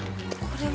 これ？